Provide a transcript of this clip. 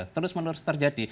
terus menerus terjadi